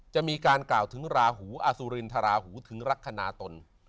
จะมีการกล่าวถึงราหูอสุรินทราหูถึงลักษณะตน